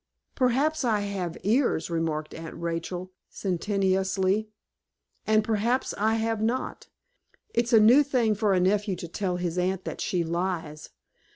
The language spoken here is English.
"Perhaps I have ears," remarked Aunt Rachel, sententiously, "and perhaps I have not. It's a new thing for a nephew to tell his aunt that she lies.